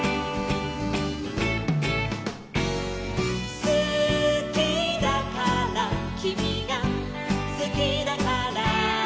「すきだからきみがすきだから」